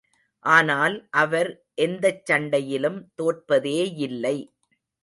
ஆனால், அவர் எந்தச் சண்டையிலும் தோற்பதேயில்லை.